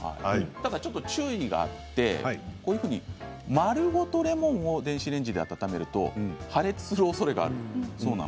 ただ１つ注意があって丸ごとレモンを電子レンジで温めると破裂するおそれがあります。